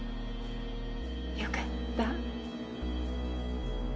良かった。